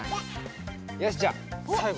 よしじゃあさいご。